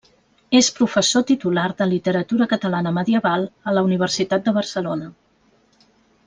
És professor titular de literatura catalana medieval a la Universitat de Barcelona.